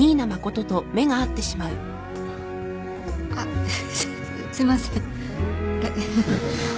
あっすいません。